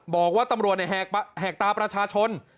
บอกว่าตำรวจแหกตาประชาชน